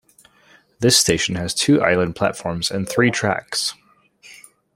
This station has two island platforms and three tracks.